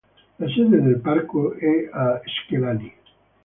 La sede del parco è a Skelani.